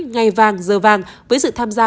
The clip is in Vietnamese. ngày vàng giờ vàng với sự tham gia